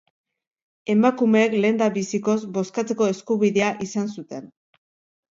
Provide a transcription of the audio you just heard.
Emakumeek lehendabizikoz bozkatzeko eskubidea izan zuten.